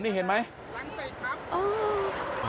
นี่เห็นไหม